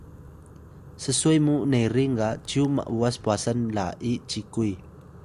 sswe mu nerin ga cyu m’was pwasan-la’i-cikuy